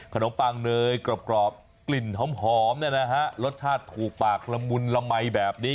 ขนมปังเนยกรอบกลิ่นหอมนะฮะรสชาติถูกปากละมุนละไหมแบบนี้